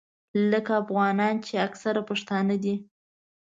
لکه افغانان چې اکثره پښتانه دي.